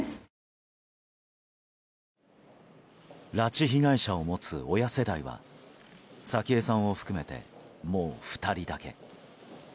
拉致被害者を持つ親世代は早紀江さんを含めてもう２人だけ。